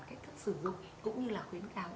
cách thức sử dụng cũng như là khuyến kháng